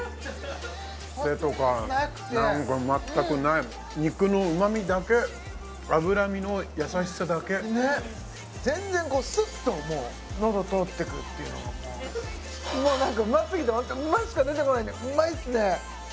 クセとか全くない肉の旨みだけ脂身の優しさだけねっ全然こうスッともうのど通ってくっていうのがもうもう何かうますぎて「うまい」しか出てこないんだけどうまいっすね！